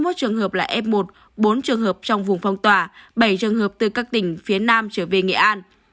sáu mươi một trường hợp là f một bốn trường hợp trong vùng phong tỏa bảy trường hợp từ các tỉnh phía nam trở về nghệ an